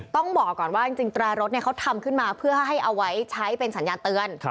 ต้องบอกก่อนว่าจริงแตรรถเขาทำขึ้นมาเพื่อให้เอาไว้ใช้เป็นสัญญาณเตือน